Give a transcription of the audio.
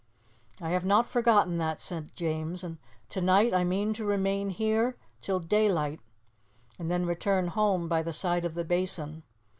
"I have not forgotten that," said James, "and to night I mean to remain here till daylight and then return home by the side of the Basin.